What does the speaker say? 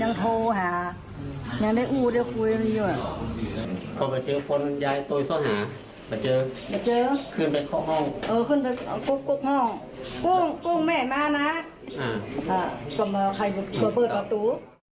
อ่าทำไมใครเปิดประตู